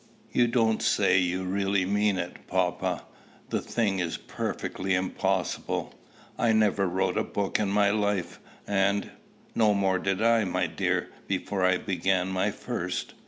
"You don't say you really mean it, papa! The thing is perfectly impossible. I never wrote a book in my life, and" "No more did I, my dear, before I began my first."